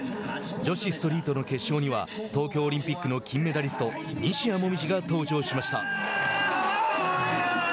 女子ストリートの決勝には東京オリンピックの金メダリスト西矢椛が登場しました。